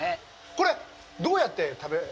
これ、どうやって食べる？